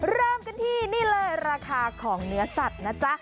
เริ่มกันที่นี่เลยราคาของเนื้อสัตว์นะจ๊ะ